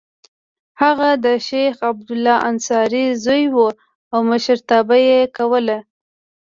هغه د شیخ عبدالله انصاري زوی و او مشرتابه یې کوله.